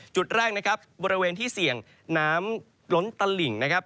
จุดแรกนะครับบริเวณที่เสี่ยงน้ำล้นตลิ่งนะครับ